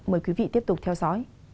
mời quý vị tiếp tục theo dõi